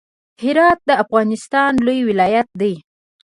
هرات د افغانستان لوی ولایت دی.